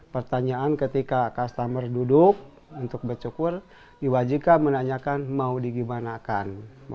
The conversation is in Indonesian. pertanyaan ketika customer duduk untuk bercukur diwajibkan menanyakan mau digimanakan